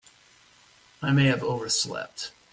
I may have overslept.